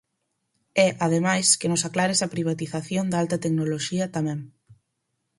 E, ademais, que nos aclare esa privatización da alta tecnoloxía tamén.